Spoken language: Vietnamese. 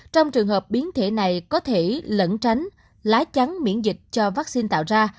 trong trường hợp biến thể này có thể lẫn tránh lá chắn miễn dịch cho vaccine tạo ra